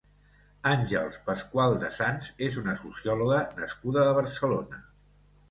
Àngels Pascual de Sans és una sociòloga nascuda a Barcelona.